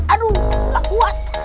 aduh gak kuat